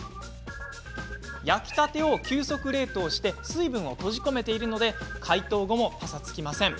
焼きたてを急速冷凍し水分を閉じ込めているので解凍後もぱさつきません。